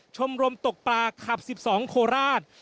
ชมรมตกปลาขับ๑๒โคราช